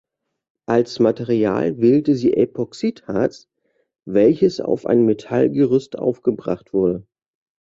Als Material wählte sie Epoxidharz, welches auf ein Metallgerüst aufgebracht wurde.